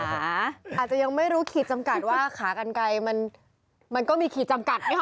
อาจจะยังไม่รู้ขีดจำกัดว่าขากันไกลมันก็มีขีดจำกัดไหมคะ